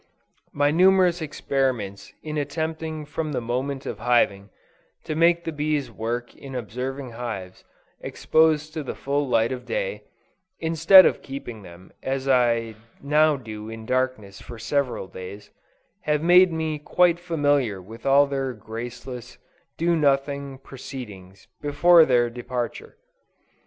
My numerous experiments in attempting from the moment of hiving, to make the bees work in observing hives exposed to the full light of day, instead of keeping them as I now do in darkness for several days, have made me quite familiar with all their graceless, do nothing proceedings before their departure.